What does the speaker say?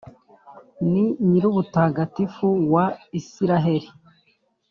Ni Nyir’ubutagatifu wa Israheli!